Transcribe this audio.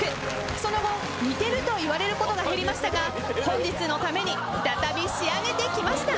その後似てると言われることが減りましたが本日のために再び仕上げてきました。